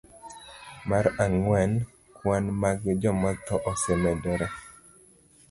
Mar ang'wen, kwan mag jomotho osemedore.